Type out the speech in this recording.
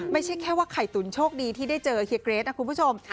ไม่ใช่แค่ว่าไข่ตุ๋นโชคดีที่ได้เจอเฮียเกรทนะคุณผู้ชม